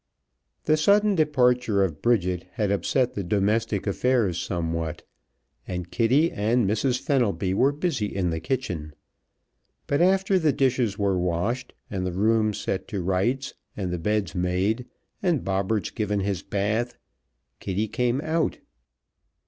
The sudden departure of Bridget had upset the domestic affairs somewhat, and Kitty and Mrs. Fenelby were busy in the kitchen, but after the dishes were washed, and the rooms set to rights, and the beds made, and Bobberts given his bath, Kitty came out.